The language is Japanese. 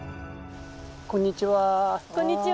こんにちは。